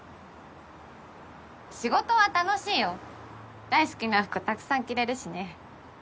仕事は楽しいよ大好きな服たくさん着れるしね。